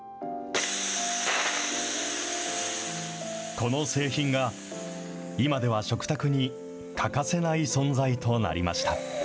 この製品が今では食卓に欠かせない存在となりました。